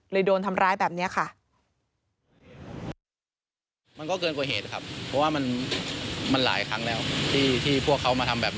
เลยโดนทำร้ายแบบเนี้ยค่ะ